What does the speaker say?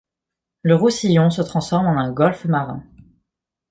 Le Roussillon se transforme en un golfe marin.